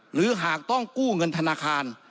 หรือหากต้องกู้เงินธนาคาร